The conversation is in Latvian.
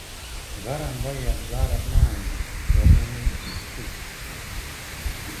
Garam vajag Gara maizi, ķermenim – fizisko.